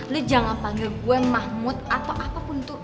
lo jangan panggil gue mahmud atau apapun tuh